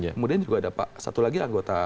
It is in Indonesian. kemudian juga ada satu lagi anggota